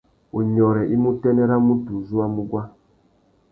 Wunyôrê i mú utênê râ mutu u zú a mú guá.